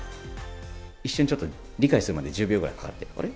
一瞬、ちょっと理解するまでに１０秒ぐらいかかって、あれ？